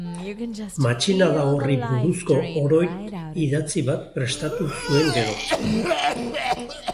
Matxinada horri buruzko oroit-idatzi bat prestatu zuen gero.